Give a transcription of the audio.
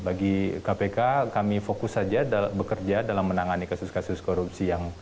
bagi kpk kami fokus saja bekerja dalam menangani kasus kasus korupsi yang